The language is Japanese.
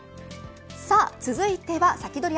続いてはサキドリ！